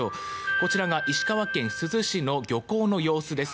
こちらが石川県珠洲市の漁港の様子です。